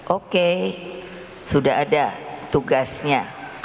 oke sudah ada tugasnya